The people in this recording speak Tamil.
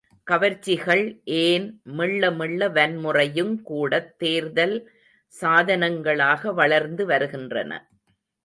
கவர்ச்சிகள் ஏன் மெள்ள மெள்ள வன்முறையுங் கூடத் தேர்தல் சாதனங்களாக வளர்ந்து வருகின்றன.